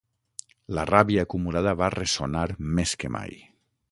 La ràbia acumulada va ressonar més que mai.